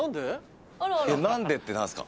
「なんで？」って何すか？